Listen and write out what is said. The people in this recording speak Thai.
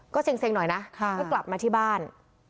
ก็เซ็งหน่อยนะเพื่อกลับมาที่บ้าน